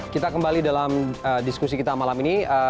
kita kembali dalam diskusi kita malam ini